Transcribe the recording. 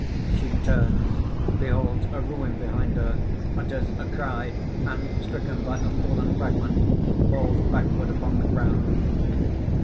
(_She turns, beholds a ruin behind her, utters a cry, and stricken by a fallen fragment, falls backward upon the ground.